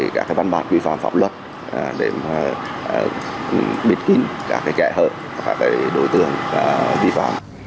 các văn bản vi phạm pháp luật để bịt kín các kẻ hợp các đối tượng vi phạm